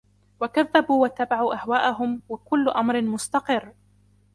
وَكَذَّبُوا وَاتَّبَعُوا أَهْوَاءَهُمْ وَكُلُّ أَمْرٍ مُسْتَقِرٌّ